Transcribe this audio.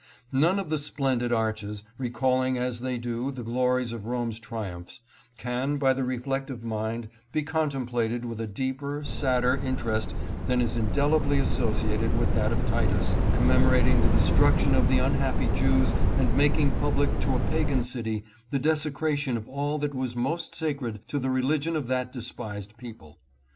None of the splendid arches, recalling as they do the glories of Rome's triumphs, can, by the reflective mind, be contemplated with a deeper, sadder interest than is indelibly associated with that of Titus, commemorating the destruction of the unhappy Jews and making pub lic to a pagan city the desecration of all that was most sacred to the religion of that despised people.